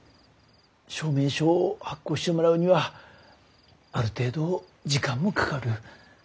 証明書を発行してもらうにはある程度時間もかかる。